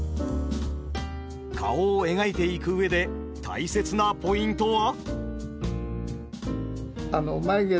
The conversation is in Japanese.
顔を描いていく上で大切なポイントは？